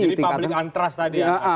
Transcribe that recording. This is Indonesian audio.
jadi public antras tadi ya